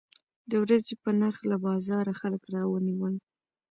د ورځې په نرخ له بازاره خلک راونیول.